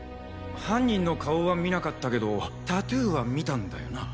犯人の顔は見なかったけどタトゥーは見たんだよな？